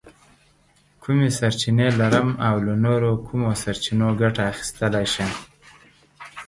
کومې سرچینې لرم او له نورو کومو سرچینو ګټه اخیستلی شم؟